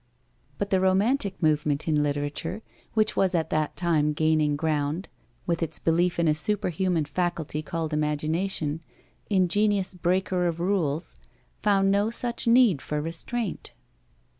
But the Romantic movement in literature, which was at that time gaining ground, with its belief in a superhuman faculty called imagination, in genius breaker of rules, found no such need for restraint.